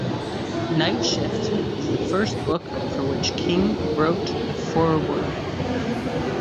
"Night Shift" is the first book for which King wrote a foreword.